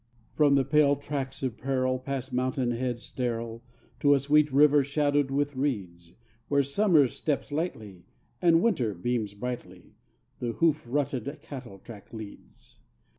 From the pale tracts of peril, past mountain heads sterile, To a sweet river shadowed with reeds, Where Summer steps lightly, and Winter beams brightly, The hoof rutted cattle track leads.